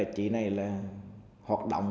chị này là hoạt động